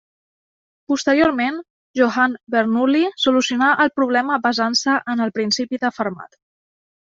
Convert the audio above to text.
Posteriorment, Johann Bernoulli solucionà el problema basant-se en el principi de Fermat.